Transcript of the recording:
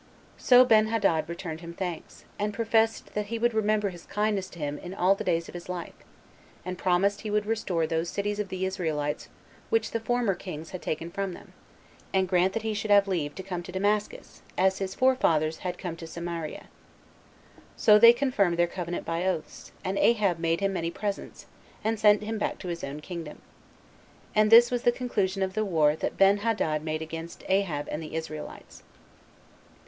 So Benhadad returned him thanks, and professed that he also would remember his kindness to him all the days of his life; and promised he would restore those cities of the Israelites which the former kings had taken from them, and grant that he should have leave to come to Damascus, as his forefathers had to come to Samaria. So they confirmed their covenant by oaths, and Ahab made him many presents, and sent him back to his own kingdom. And this was the conclusion of the war that Benhadad made against Ahab and the Israelites.